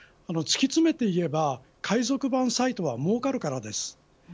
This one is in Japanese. つきつめて言えば海賊版サイトはもうかるからです。